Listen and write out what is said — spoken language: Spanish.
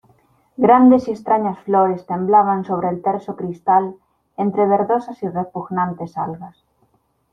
grandes y extrañas flores temblaban sobre el terso cristal entre verdosas y repugnantes algas.